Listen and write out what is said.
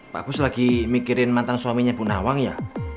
pak bos lagi mikirin mantan suaminya bu nawang ya